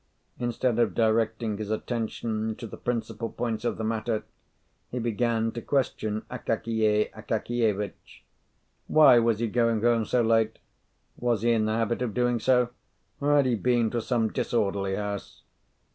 Instead of directing his attention to the principal points of the matter, he began to question Akakiy Akakievitch: Why was he going home so late? Was he in the habit of doing so, or had he been to some disorderly house?